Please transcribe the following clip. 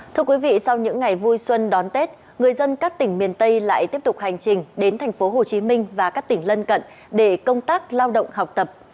thưa quý vị sau những ngày vui xuân đón tết người dân các tỉnh miền tây lại tiếp tục hành trình đến thành phố hồ chí minh và các tỉnh lân cận để công tác lao động học tập